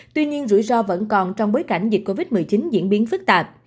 tuy nhiên rủi ro vẫn còn trong bối cảnh dịch covid một mươi chín diễn biến phức tạp